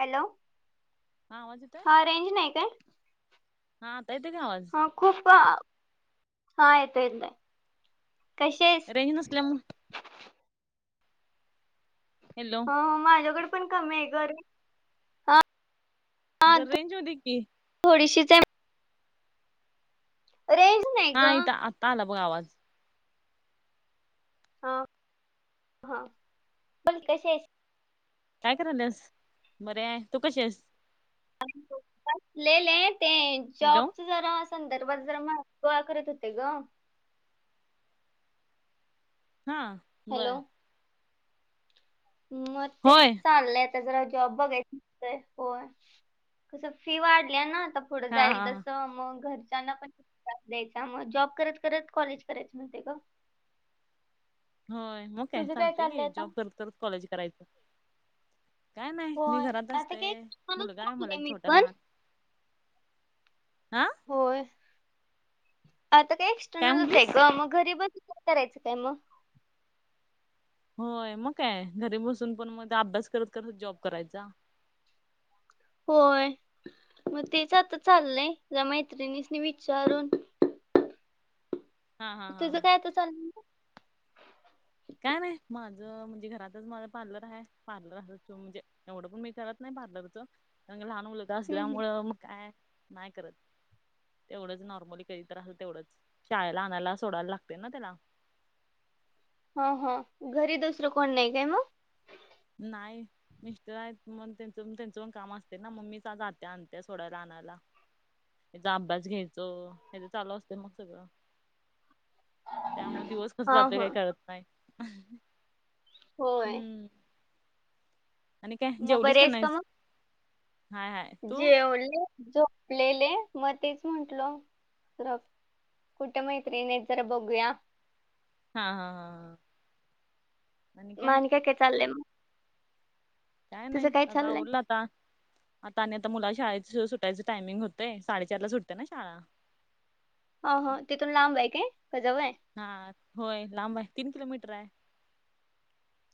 Hello हा आवाज येतोय. हा रेंज नाही काय. हा त ते का आवाज. ह खूप हा येतो येतय कसे येत? नसल्यामुळे. हॅलो हो माझ्याकडे पण कमी आहे कर- जर रेंच होती की. थोडीशी रेज नाही. हा ग इ आत्ता आला बघ आवाज. हा हा पण कसे आहे. काय करालस बरी आहे तू कशी आहेस. बसलेले आहे ते हॅलो जॉबच जरा अस- संदर्भात ज गोळा करीत होते ग. हा हॅलो बरं मग तेच होय चालले. जरा जॉब बघायच हो कस फी वाढली ना. थोडं हा जाईल हा हा. तसं मग घरच्यांना पण. त्रास द्यायचा मग जॉब करत करत कॉलेज करायच म्हणते का. होय मग काय तुझं चालतय चाललंय की आता जॉब करत करत कॉलेज करायचं. काय नाही मी होय घरात आता असते काय एक्सटर्नलच मुलगाय मला टाकले एक मी छोटा पण लहान हा होय आता काय एक्सटर्नलच आहे का मग घरीब य करायचं काय मग होय मग काय घरी बसून पण मग त्या अभ्यास करत करत जॉब करायचा होय मग तेच आता चाललंय मैत्रिणीच नाही विचारून हा हा तचं हा काय आता चाल काय नाही माझं म्हणजे घरातच माझ पार्लर आहे पार्लर अस त म्हणजे एवढं पण मी करत नाही पार्लरच कारण लहान मुलग हम्म, हम्म. असल्यामुळं मग काय नाही करत तेवढंच नॉर्मली कधत तर असल तेवढंच शाळेला आणायला सोडायला लागते ना त्याला हो हा घरी दुसरं कोण नाही काय मग नाही मिस्टर आहेत म त्यांच त्यांचं पण काम असते ना मग मी जात्या आणत्या थोड्याला आणायला याचा अभ्यास घ्यायच हचा चालू असतं मग सगळं त्यामुळे दिवस कस हा जातोय हा काही करत नाही होय हम्म आणि काय मग जेवलीस बरी का आहेस नाहीस मग हाय हाय तू जेवले झोपलेले मग तेच म्हटल कुठम मयते ननज जरा बघूया हा हा हा हा माण का काय चालले काय नाही आता ओोललाता आता आणि आता मुला शाळे सुटायचं टायमिंग होतय साडेचारला सुटते ना शाळा हो हो तिथून लांब आहे कायजव आहे हा होय लांब आहे तीन किलोमीटर आहे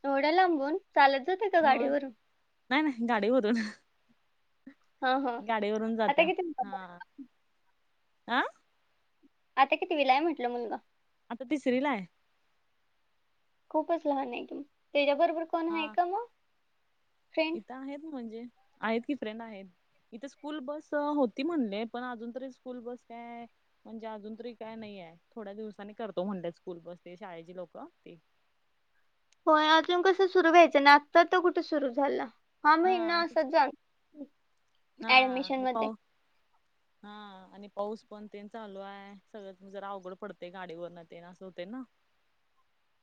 एवढ्या लांबून चालत जाते का होय गाडीवरून नाही नाही गाडी भरून ना हा हा गाडीवरून आता जात्या किती हा ह आता किती विलाय म्हटलं मुलगा आता तिसरी ला आहे खूपच लहान आहे कि त्याच्याबरोबर कोण आहे हा का मग फ्रेंड इथं आहेत ना म्हणजे आहेत कि फ्रेंड आहेत इथ स्कूल बस होती म्हणले पण अजून तरी स्कूल बस कायय म्हणजे अजून तरी काय नाही आहे थोड्या दिवसाांनी करतो म्हणतात स्कूल बस ते शाळेची लोक ते होय अजून कसं सुरू व्हायचं नाता तर कुठे सुरू झालं हा महिना असच जाल हा ऍडमिशन हे मध्ये पाऊ हा आणि पाऊस पण तेन चालू आहे सगळंत जरा अवघड पडते गाडीवर न ते असं होते ना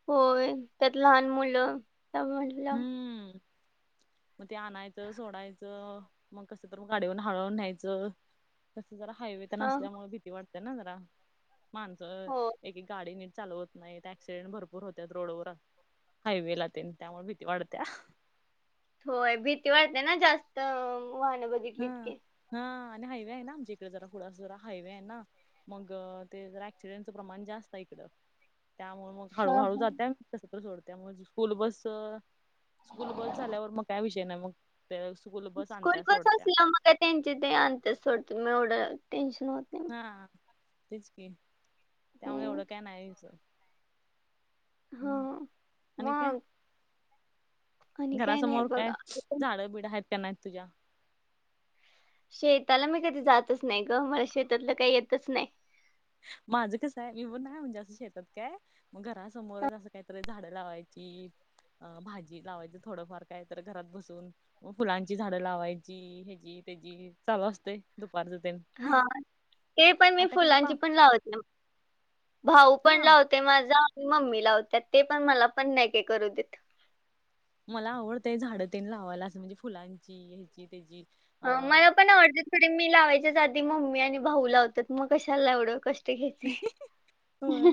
होय त्यात लहान मुलं त्या हम्म मग ते आणायचं सोडायचं मग कसं तर गाडीवरून हाळवून न्यायचं तसं जरा हायवे हा नसल्यामुळे भीती वाटते ना जरा माणसं हो एक गाडी नीट चालवत नाही ऍक्सिडेंट भरपूर होत्या रोडवर हायवे लाते त्यामुळे भीती वाढत्या होय भीती वाढते ना जास्त वाहनं बघितली हा इतके हा आणि हायवे आहे ना आमच्या इकडे जरा थडासा जरा हायवे आहे ना मग ते ज ऍक्सिडेंटचं प्रमाण जास्त आहे इकड त्यामुळ मग हा हळूहळू हा. जातं कस सोडत म स्कूल बस स्कूल बस झाल्यावर मग काय विषय नाही मग ते स्कूल बस स्कूल आणत्या बस सोडत मग का त्यांचे ते अंतच सोडत मी एवढं टेन्शन होत नाही हा तेच कि त्यामुळे हम्म एवढं काय नाहीच हम्म हा आणिन का मग आणि काय नाही घरासमोर काय बघा झाडं बिडं आहेत त्यां नाहीत तुझ्या शेताला मी कधी जातच नाही ग मला शेतातलं काही येतच नाही माझं कसं आहे मी पण नाही म्हणजे असं शेतात काय मग घरासमोरच असं काहीतरी झाडं लावायची अ भाजी लावायचं थोडंफार काय तर घरात बसून फुलांची झाडं लावायची हची त्याचीी चालू असते दुपारच ते हा ते पण मी फुलांची पण लावत नाही भाऊ पण हा लावते माझा आणि मम्मी लावत ते पण मला पण नाही का करू देत मला आवडतंय झाड तेन लावायला असं म्हणजे फुलांची ह्याची त्याची अ मला पण आवडतं ो मी लावायच्याच आधी मम्मी आणि भाऊ लावतात मग कशाला लावडं क होय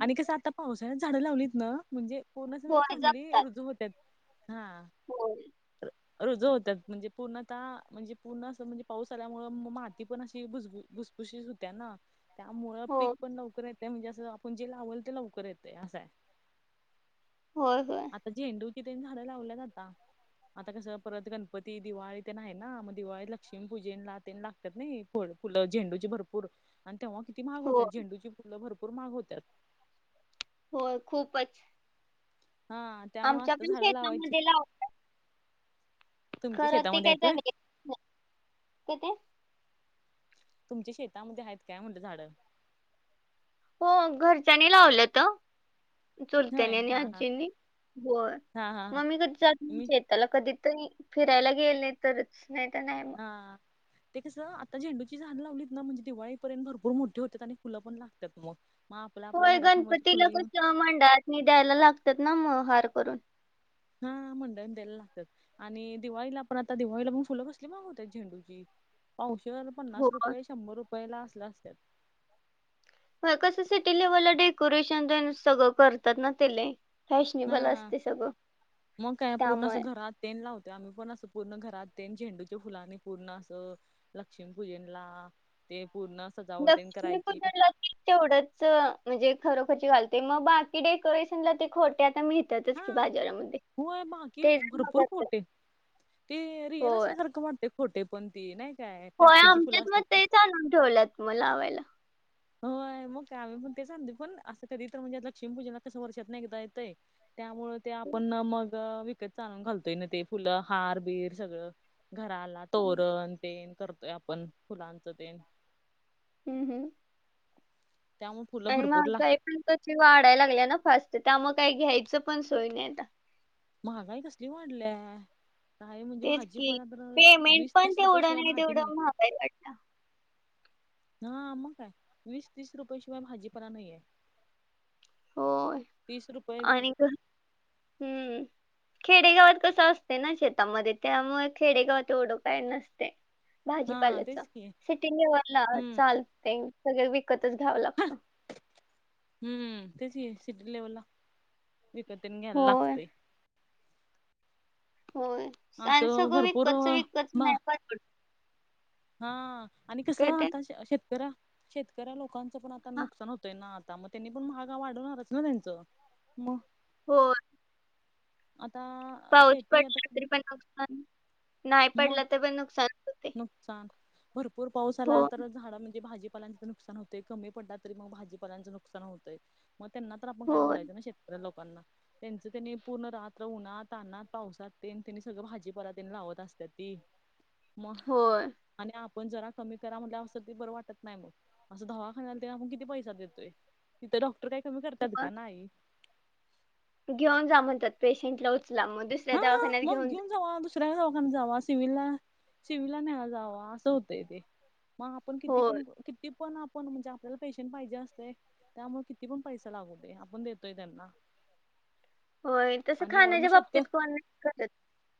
आणि कसं आता पावसाळ्यात झाडं लावलीत ना म्हणजे कोरोना स होय चांगली रुजू होतात हा हो रोज होतात म्हणजे पूर्णताः म्हणजे पूर्ण असं म्हणजे पाऊस आल्यामुळे माती पण अशी भुज कशी सुध्या ना त्यामुळं हो पीक पण लवकर येते म्हणजे असं आपण जे लावल ते लवकर येते असं आहे हो हो ज झेंडू होती त्यांनी झाडं लावल्या जाता आता कस परत गणपती दिवाळी तेण आहे ना मग दिवाळी लक्ष्मी पूजेन लाते लाग नाही फ फुलं झेंडूची भरपूर आणि तेव्हा किती हो महागतात झेंडूची फुलं भरपूर मग होतात हो खूपच हा त्यामुळे आमच्या आत्ता पण झाडं लावायची शेतामध्ये लावतात तुमच्या खरं ते शेतामध्ये काय आहेत होय? जाग ते तुमच्या शेतामध्ये आहेत काय म्हणज झाडं हो घरच्यांनी लावलं तर चोरत्यानी होय आणि हा हा आजीनी हो हा हा हा मगमी कधी मी जात त्याला कधी तरी फिरायला गेल नाही तरच नाही तर नाही मग हा ते कसं आता झेंडूची झाड लावलीत ना म्हणजे दिवाळीपर्यंत भरपूर मोठे होतात आणि फुलं पण लागतात मग मग आपल्या आपल्या होय घरासमोरची गणपतीला फुलं कस घेऊन मंडळात द्यायला लागतात ना म हार करून हा मंडळी तेल लातात. आणि दिवाळीला आपण आता दिवाळीलाग फुलं कसली मागवत झेंडूची पावश पन्नास होय रुपये शंभर रुपये ला असल्या असत कसं सिटी लेवलला डेकोरेशन सगळं करतात ना तेले फॅशनेबल हा असते सगळ मग काय पूर्ण असं त्यामुळे घरात तेन लावतेो आम्ही पण असं पूर्ण घरात तेन झेंडूच्या फुलाने पूर्ण असं. लक्ष्मीपूजन ला ते पूर्ण सजावट तेन दक्ष क करायची ला तेवढंच म्हणजे खरोखरी घालते मग बाकी डेकोरेशनला ते खोटे आताह. हा की बाजारामध्ये होय बाकी तेच भरपूर करत. खोटे ते रियल असल्यासारखं म्हटत खोटे पण ती नाही. काय होय प्लास्टिकची फुलं आमच्यात असतात मग ती ते चा आणून ठेवलंत म लावायला होय मग का आम्ही पण तेचां पण असं कधी तर म्हणजे लक्ष्मीपूजननासम वर्षेत नाही कता येतय. त्यामुळ ते हम्म, आपण मग विकत चालून घालतोय ना ते फुलं हार बिर सगळं. घराला तोरण तेन करतोय आपण फुलांचं ते हम् हम्. त्यामुळे फुलं आणि भरपूर मग लाग काही पण क वाढाय लागल्या ना फस्ट त्या मग काही घ्यायचं पण सोय नाही आता महागाई कसली वाढल्याय. तेच कि पेमेंट वीस पण तीस रुपये तेवढं शिवाय नाही भाजी तेवढं महागय वाटलं. ह मग काय वीस तीस रुपयाेशिवाय भाजीपरा नाही आहेे. होय तीस रुपये आणि हम्म. खेडेगावात कसं असते ना शेतामध्ये त्यामुळे खेडेगावात एवढं काय नसत. हा भाजीपाल्याच तेच की सिटीला हम्म चालते सग व तच घ्यावं लागतं. हम्म तेच सिटी लेवलला विकत्रण घ्यायला होय लागतय. होय स स असं गं भरपूर विकतचं विकतच म नाही का? हा आणि काय कसं ते आता शेतकऱ्या शेतकऱ्या लोकांचं पण आता हा नुकसान होतय ना. मग त्यांनी पण महागा वाढवणारच ना त्यांचं मग हो. आता पाऊस शेती पडला आता तरी पण नुकसान नाही म पडलं तर पण नुकसान नुकसान भरपूर पाऊस आला हो, तर झाड म्हणजे भाजीपालांच नुकसान होत. ते कमी पडला तरी मग भाजीपालांचं नुकसान होतय. मग त्यांना तर आपण काय होय, बोलायचं ना शेतकऱ्या लोकांना त्यांचं त्यांनी पूर्ण रात्र उन्हात आणनाात पावसात त्यांनी सगळं भाजीपाला त्यांनी लावत असत. त म. होय. आणि आपण जरा कमी करा म्हटलं सगध बरं वाटत नाही मग असं धवा खायला मग किती पैसा देतोय तिथे डॉक्टर काही कमी करतात का मग नाही. घेऊन जा म्हणतात पेशंटला उचला मग दुसऱ्या हा दवाखान्यात मग जा. घेऊन जाऊ दुस ुऱ्या लकां जावा सिवलला सिवलला न्यायला जावा असं होतंय ते मग आपण किती होय, पण किती पण आपण म्हणजे आपल्याला पेशंट पाहिजे असते. त्यामुळे किती पण पैसा लागू दे आपण देतोय त्यांना होय तस आणि एवढं मग खाण्याच्या बाबतीत शेतक कोण करत.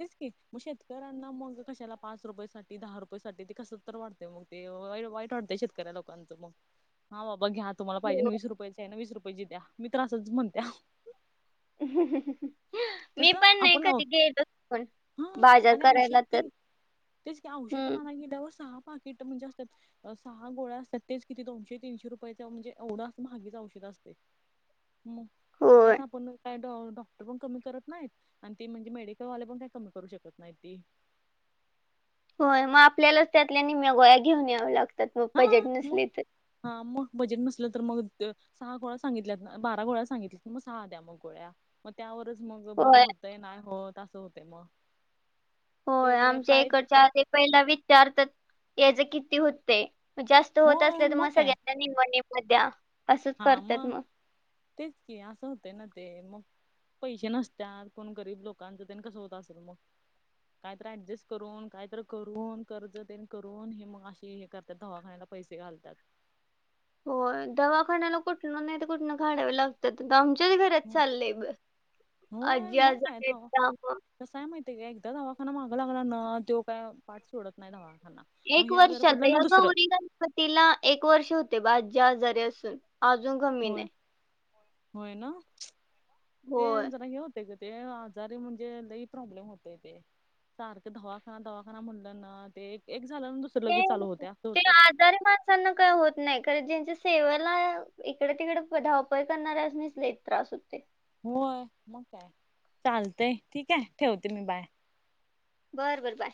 तेच की मग शेतकऱ्यांना मग कशाला पाच रुपये साठी दहा रुपये सा ते कस तर वाटत. मग ते वाईट वाटते शेतकऱ्या लोकांचं मग हा बाबा घ्या. तुम्हा पाहिजे हो. वीस रुपयाच्या आहे ना वीस रुपयाची द्या मी त्रच म्हण्या. ह मी कसं पण नाही आपण कधी गेलो हा बाजार आणि औषध करायला तर तेन तेच काय औषध हं, ना क दव सहा पाकिट म्हणजे असतात. सहा गोळ्या असतात तेच किती दोनशेीशे रुपया म्हणजे एवढं असं महागच औषध असते. [unintelligible] ह होय, त्यात आपण काय डॉक्टर पण कमी करत नाहीत आणि तेी म्हणजे मेडिकल वाले पण काही कमी करू शकत नाही ती होय मग आपल्यालाच त्यातल्या निमेगोळ्या घेऊन याव लागतात मग हा बजेट मग नसली तर हा मग बजेट नसलं तर मग सहा गोळ्या सांगितल्यात ना बारा गोळ्या सांगितल्यात मग सहा द्या मग गोळ्या मग त्यावरच मग बरं होय. होतय ना हो तसं होतय मग होय ते आमच्या प्रायज इकडच्या ते पहिला विचारतात याच किती होतय जास्त होत होय असल्या तर मग काय सगळ्या निम्मं निम्मं दया. हा मग तेच की असं होत ना ते मग पैसे नसतात कोण गरीब लोकांचं त्यांनी कसं होत असेल मग कायत ऍडजस्ट करून कायत करून कर्ज त्यां करून हे मग अशी हे कर त्या दवाखा्याला पैसे घालतात. हो दवाखान्याला कुठन नाही तर कुठनं काढाव लागत. तर आमच्याच घरात चाललंय आजी आजारी त्या मुळ तसय माहितीय का एकदा दवाखाना मागं लागला न तो काय पाठ सोडत नाही दवाखाना मग एक हे आजार वर्षात पडलं ना या दुसरं गौरी गणपती तिला एक वर्ष होते बाज्या आजारी असून अजून कमी नाही. हो ना ते होय ज घी होत [inaudible] ते आजारी म्हणजे लई प्रॉब्लेम होते ते सारखं दवाखाना दवाखाना म्हणलं ना ते एक झालं ना दुसरे ते लगेच चालू होते असं ते होते. आजारी माणसांना काय होत नाही कारण ज्यांच्या सेवाला इकडे तिकडे धावपळ करणारे अस निसले त्रास होते. होय, मग काय, चालतंय ठीक आहे, ठेवते मी बाय बरं बर बाय